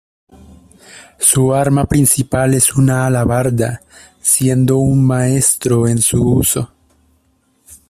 Su arma principal es una alabarda, siendo un maestro en su uso.